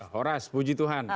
horas puji tuhan